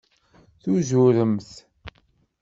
Tuzuremt.